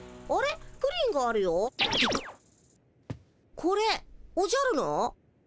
これおじゃるの？